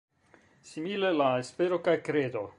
Simile la Espero kaj kredo.